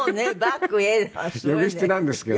呼び捨てなんですけど。